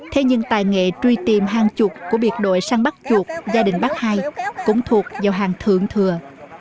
thế nhưng tài nghệ truy tìm hang chuột của biệt đội săn bắt chuột gia đình bác hai cũng thuộc vào hang thượng thừa